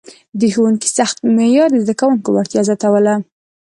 د ښوونکي سخت معیار د زده کوونکو وړتیا زیاتوله.